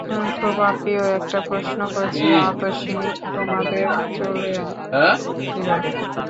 খুব অপ্রিয় একটা প্রশ্ন করছি অতসী, তোমাদের চলে কীভাবে?